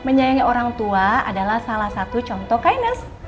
menyayangi orang tua adalah salah satu contoh finance